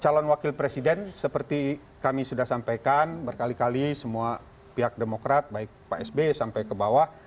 calon wakil presiden seperti kami sudah sampaikan berkali kali semua pihak demokrat baik pak sby sampai ke bawah